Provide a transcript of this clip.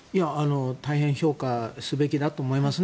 大変評価すべきだと思いますね。